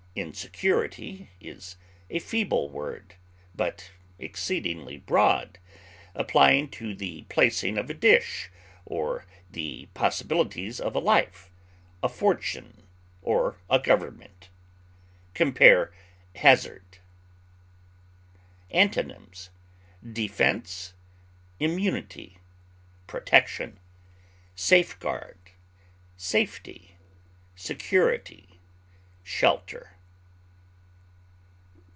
Insecurity is a feeble word, but exceedingly broad, applying to the placing of a dish, or the possibilities of a life, a fortune, or a government. Compare HAZARD. Antonyms: defense, immunity, protection, safeguard, safety, security, shelter.